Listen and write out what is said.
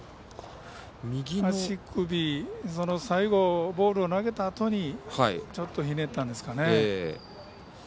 足首、最後ボールを投げたあとにちょっと、ひねったんですかね。